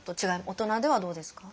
大人ではどうですか？